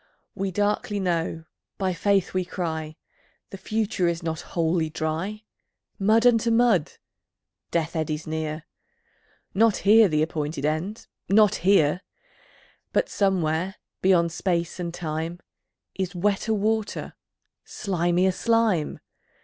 We darkly know, by Faith we cry, The future is not Wholly Dry. Mud unto mud! Death eddies near Not here the appointed End, not here! But somewhere, beyond Space and Time, Is wetter water, slimier slime!